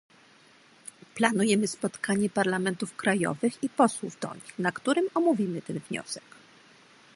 Planujemy spotkanie parlamentów krajowych i posłów do nich, na którym omówimy ten wniosek